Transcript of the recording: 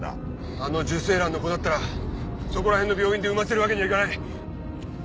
あの受精卵の子だったらそこら辺の病院で産ませるわけにはいかない。